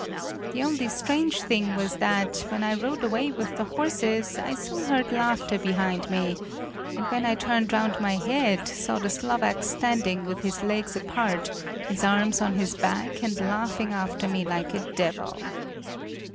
The only strange thing was that, when I rode away with the horses, I soon heard laughter behind me, and when I turned round my head, saw the Slovak standing with his legs apart, his arms on his back, and laughing after me like a devil.